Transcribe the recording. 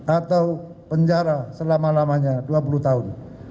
atau penjara selama lamanya dua puluh tahun